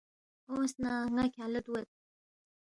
اونگس نہ ن٘ا کھیانگ لہ دُوگید